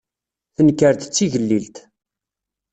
Tenker-d d tigellilt.